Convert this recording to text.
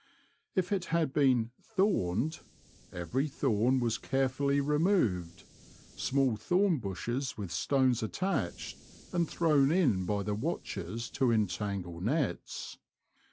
If it had been '^thorned," every thorn was carefully removed — small thorn bushes with stones attached, and thrown in by the watchers to entangle nets.